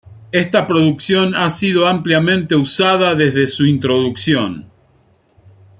Esta proyección ha sido ampliamente usada desde su introducción.